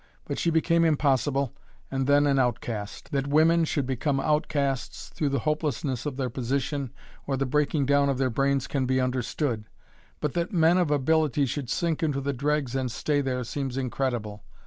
But she became impossible, and then an outcast! That women should become outcasts through the hopelessness of their position or the breaking down of their brains can be understood, but that men of ability should sink into the dregs and stay there seems incredible.